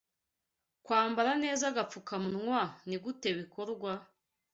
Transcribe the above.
Kwambara neza agapfukamunywa nigute bikorwa?